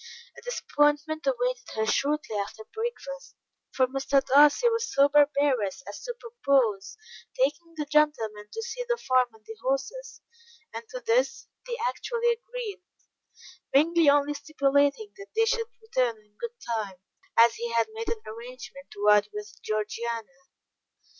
A disappointment awaited her shortly after breakfast, for Mr. Darcy was so barbarous as to propose taking the gentlemen to see the farm and the horses, and to this they actually agreed, Bingley only stipulating that they should return in good time, as he had made an arrangement to ride with Georgiana.